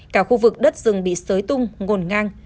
cả khu vực đất rừng bị sới tung ngồn ngang